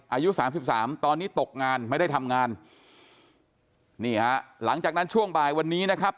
อายุสามสิบสามตอนนี้ตกงานไม่ได้ทำงานนี่ฮะหลังจากนั้นช่วงบ่ายวันนี้นะครับ